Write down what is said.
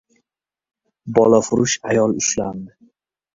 Bolafurush ayol ushlandi